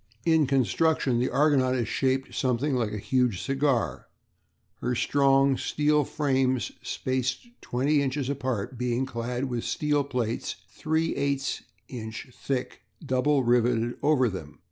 In construction the Argonaut is shaped something like a huge cigar, her strong steel frames, spaced twenty inches apart, being clad with steel plates 3/8 inch thick double riveted over them.